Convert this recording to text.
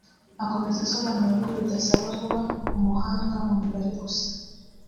Akomeza asobanura ko bidasaba kuba umuhanga mu mibare gusa